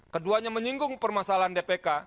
keduanya menyinggung permasalahan dpk